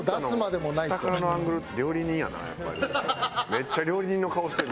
めっちゃ料理人の顔してる。